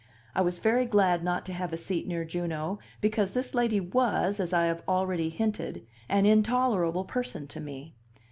I was very glad not to have a seat near Juno, because this lady was, as I have already hinted, an intolerable person to me.